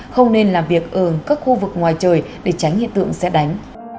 không nên làm việc ở các khu vực ngoài trời để tránh hiện tượng xét đánh